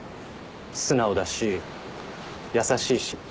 素直だし優しいし。